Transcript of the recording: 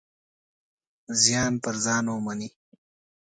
زیان پر ځان ومني.